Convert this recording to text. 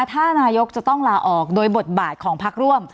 ถ้านายกจะต้องลาออกโดยบทบาทของพักร่วม